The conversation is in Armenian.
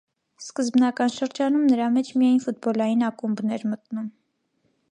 Սկզբնական շրջանում նրա մեջ միայն ֆուտբոլային ակումբն էր մտնում։